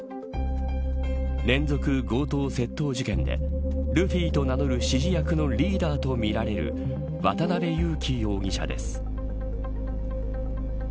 連続強盗・窃盗事件でルフィと名乗る指示役のリーダーとみられる渡辺優樹容疑者です。